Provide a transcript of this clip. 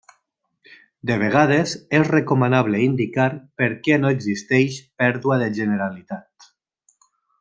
De vegades és recomanable indicar per què no existeix pèrdua de generalitat.